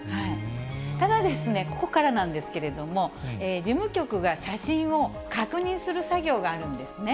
ただ、ここからなんですけれども、事務局が写真を確認する作業があるんですね。